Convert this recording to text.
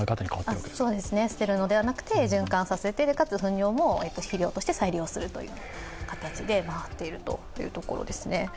そうですね、捨てるのではなくて循環させてかつ、ふん尿も肥料として再利用させるという形で回っているところです。